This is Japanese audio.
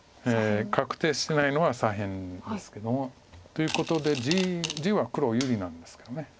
確定してないのは左辺ですけども。ということで地は黒有利なんですけど。